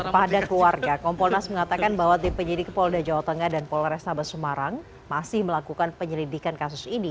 pada keluarga kompolnas mengatakan bahwa tim penyidik polda jawa tengah dan polrestabes semarang masih melakukan penyelidikan kasus ini